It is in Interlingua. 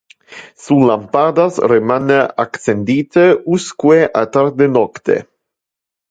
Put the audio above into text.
Su lampadas remane accendite usque a tarde nocte.